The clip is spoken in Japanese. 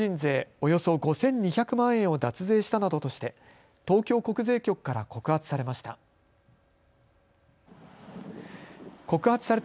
およそ５２００万円を脱税したなどとして東京国税局から告発されました。